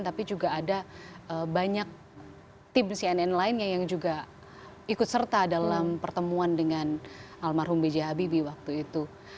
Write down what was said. tapi juga ada banyak tim cnn lainnya yang juga ikut serta dalam pertemuan dengan almarhum b j habibie waktu itu